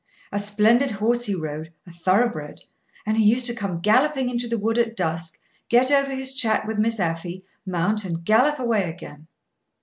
A splendid horse he rode, a thoroughbred; and he used to come galloping into the wood at dusk, get over his chat with Miss Afy, mount, and gallop away again."